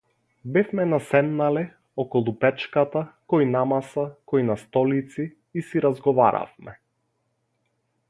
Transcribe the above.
Бевме наседнале околу печката кој на маса кој на столици и си разговаравме.